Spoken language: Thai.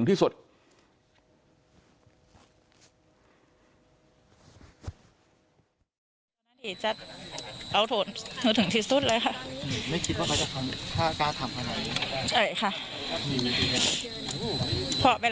กลุ่มตัวเชียงใหม่